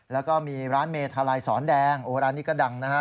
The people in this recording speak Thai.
แล้วก็มีร้านเมทาลัยสอนแดงโอ้ร้านนี้ก็ดังนะฮะ